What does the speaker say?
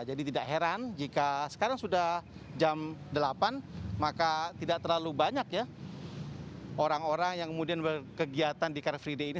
jadi tidak heran jika sekarang sudah jam delapan maka tidak terlalu banyak ya orang orang yang kemudian berkegiatan di car free day ini